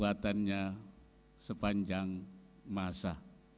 kekuatannya sepanjang masa